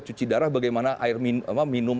cuci darah bagaimana minum